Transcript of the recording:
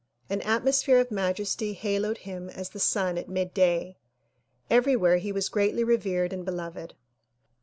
An atmosphere of majesty haloed him as the sun at midday. Everywhere he was greatly revered and beloved.